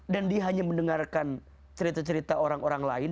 dan dia hanya mendengarkan cerita cerita orang orang lain